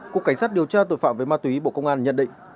cục cảnh sát điều tra tội phạm về ma túy bộ công an nhận định